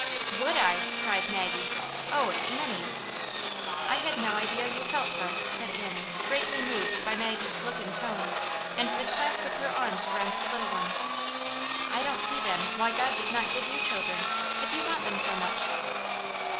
" Would I ?" cried Maggie. " Oh, Annie!" "I had no idea you felt so," said Annie, greatly moved by Maggie's look and tone, and the clasp of her arms around the little one. " I don't see, then, why God does not give you children, if you want them so much."